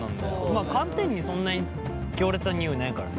まあ寒天にそんなに強烈な匂いないからね。